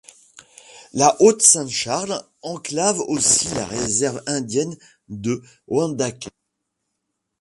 La Haute-Saint-Charles enclave aussi la réserve indienne de Wendake.